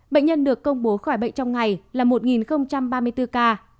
bệnh nhân được công bố khỏi bệnh trong ngày là một ba mươi bốn ca